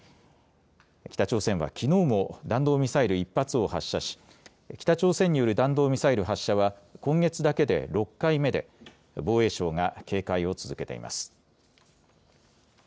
北朝鮮はきのうも弾道ミサイル１発を発射し、北朝鮮による弾道ミサイル発射は今月だけで６回目で、防衛省が警戒を続けています。